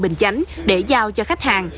bình chánh để giao cho khách hàng